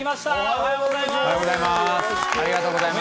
おめでとうございます。